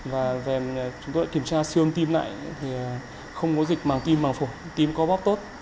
và về chúng tôi đã kiểm tra xương tim lại thì không có dịch màng tim màng phổ tim có bóp tốt